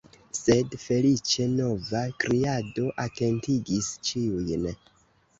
Sed, feliĉe, nova kriado atentigis ĉiujn.